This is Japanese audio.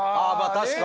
確かに。